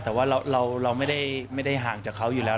แต่ว่าเราไม่ได้ห่างจากเขาอยู่แล้ว